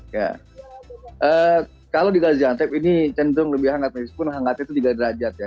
ya kalau di gajahtep ini cenderung lebih hangat meskipun hangatnya itu tiga derajat ya